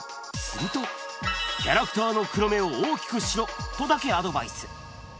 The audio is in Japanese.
すると、キャラクターの黒目を大きくしろとだけアドバイス。